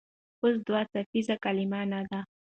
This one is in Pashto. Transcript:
اوس دوه څپیزه کلمه نه ده.